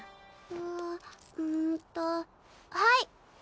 あんとはい！